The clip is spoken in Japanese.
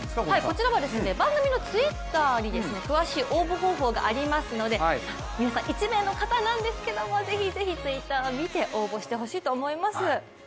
こちらを番組のＴｗｉｔｔｅｒに詳しい応募方法がありますので皆さん、１名の方なんですけれどもぜひぜひＴｗｉｔｔｅｒ見て応募してほしいと思います。